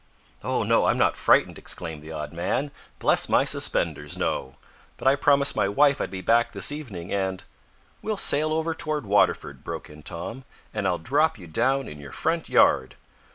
"Oh, no, I'm not frightened!" exclaimed the odd man. "Bless my suspenders, no! But I promised my wife I'd be back this evening, and..." "We'll sail over toward Waterford," broke in Tom, "and I'll drop you down in your front yard."